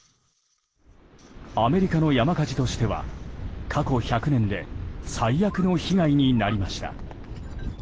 アメリカの山火事としては過去１００年で最悪の被害になりました。